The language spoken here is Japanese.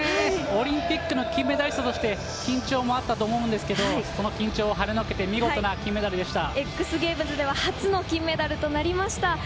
オリンピックの金メダリストとして緊張もあったと思うんですけど、この緊張を跳ね除け、見事な金メＸＧａｍｅｓでは初の金メダルとなりました。